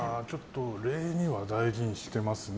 礼儀は大事にしてますね。